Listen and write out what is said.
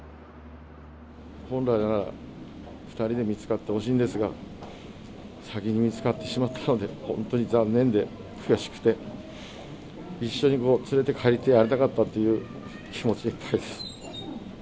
本来なら、２人で見つかってほしいんですが、先に見つかってしまったので、本当に残念で、悔しくて、一緒に連れて帰ってやりたかったっていう気持ちでいっぱいです。